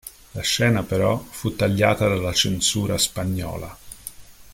La scena, però, fu tagliata dalla censura spagnola.